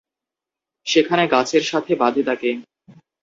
সেখানে গাছের সাথে বাঁধে তাকে।